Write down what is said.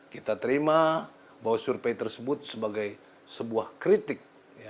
kita terima bahwa survei tersebut sebagai sebuah kritik